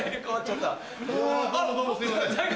すいません。